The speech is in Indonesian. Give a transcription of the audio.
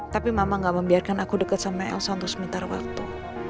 tapi mama gak membiarkan aku dekat sama elsa untuk sementara waktu